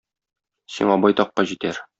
Сиңа байтакка җитәр.